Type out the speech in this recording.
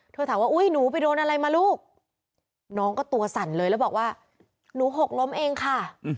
ถามว่าอุ้ยหนูไปโดนอะไรมาลูกน้องก็ตัวสั่นเลยแล้วบอกว่าหนูหกล้มเองค่ะ